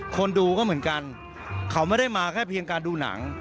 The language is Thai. คนดูก็เหมือนกันเขาไม่ได้มาแค่เพียงการดูหนัง